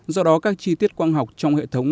do đó các chi tiết quang học trong hệ thống